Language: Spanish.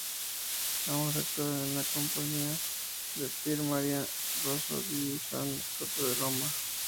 Ambos actuaron en la Compagnia Pier Maria Rosso di San Secondo de Roma.